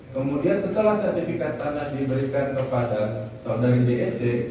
kemudian setelah sertifikat tanah diberikan kepada saudari bsd